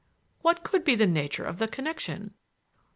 What could be the nature of the connection?"